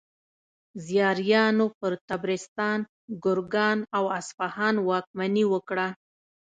زیاریانو پر طبرستان، ګرګان او اصفهان واکمني وکړه.